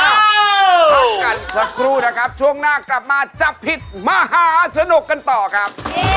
พักกันสักครู่นะครับช่วงหน้ากลับมาจับผิดมหาสนุกกันต่อครับ